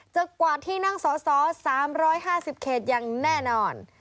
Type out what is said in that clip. กวาดที่นั่งสอสอ๓๕๐เขตอย่างแน่นอน